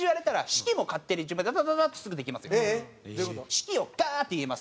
式をガーッて言えます。